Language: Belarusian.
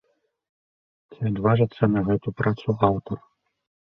Ці адважыцца на гэту працу аўтар?